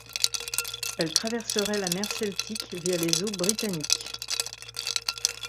Elle traverserait la Mer Celtique via les eaux britanniques.